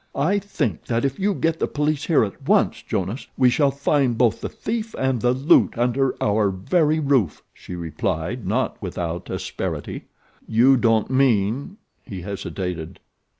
"I think that if you get the police here at once, Jonas, we shall find both the thief and the loot under our very roof," she replied, not without asperity. "You don't mean " he hesitated.